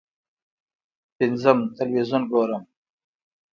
ه تلویزیون ګورم.